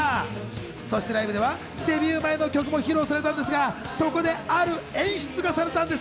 そしてライブではデビュー前の曲も披露されたんですが、そこである演出があったんです。